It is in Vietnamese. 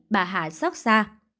bà hạ sóc xa